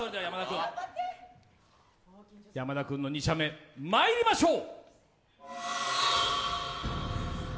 山田君の２射目、まいりましょう。